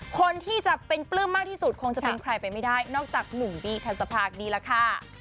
คนที่จะเป็นปลื้มมากที่สุดคงจะเป็นใครไปไม่ได้นอกจากหนุ่มบีทันตภาคดีล่ะค่ะ